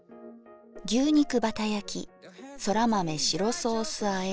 牛肉バタ焼きそら豆白ソースあえ